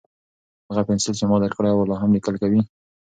هغه پنسل چې ما درکړی و، لا هم لیکل کوي؟